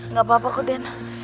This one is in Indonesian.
nggak apa apa kok dena